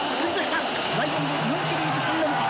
ライオンズ日本シリーズ３連覇。